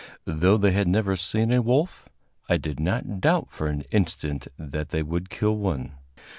Though they had never seen a wolf, I did not doubt for an instant that they would kill one.